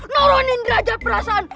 noronin derajat perasaan